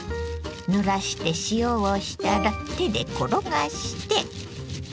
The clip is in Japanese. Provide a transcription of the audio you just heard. ぬらして塩をしたら手で転がして。